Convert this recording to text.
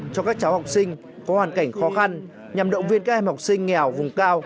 cho các cháu học sinh có hoàn cảnh khó khăn nhằm động viên các em học sinh nghèo vùng cao